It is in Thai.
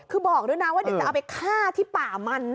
คือบอกด้วยนะว่าเดี๋ยวจะเอาไปฆ่าที่ป่ามันนะ